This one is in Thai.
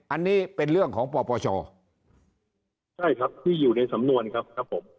อันนี้เป็นเรื่องของปปชใช่ครับที่อยู่ในสำนวนครับครับผม